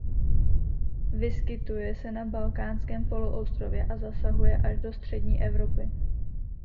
Vyskytuje se na Balkánském poloostrově a zasahuje až do střední Evropy.